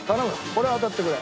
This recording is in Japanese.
これは当たってくれ。